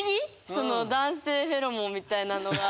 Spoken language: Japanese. その男性フェロモンみたいなのが。